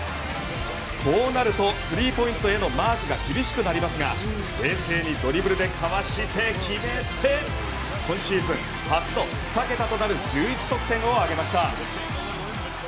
こうなるとスリーポイントへのマークが厳しくなりますが冷静にドリブルでかわして決めて今シーズン初の２桁となる１１得点を挙げました。